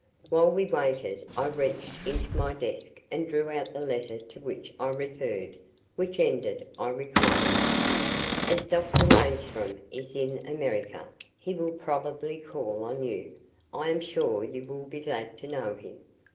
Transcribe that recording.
While we waited I reached into my desk and drew out the letter to which I referred, which ended, I recall: "As Dr. Reinstrom is in America, he will probably call on you. I am sure you will be glad to know him.